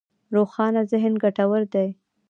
روښانه ذهن ګټور دی.